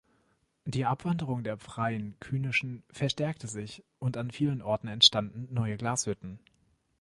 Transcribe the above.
Die Abwanderung der "freien künischen" verstärkte sich und an vielen Orten entstanden neue Glashütten.